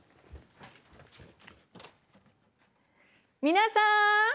皆さん！